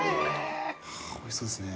はおいしそうですね。